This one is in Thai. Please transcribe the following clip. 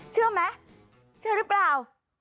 เชื่อไหมเชื่อหรือเปล่า